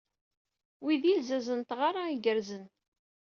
Wi d ilzazen n tɣara igerrzen.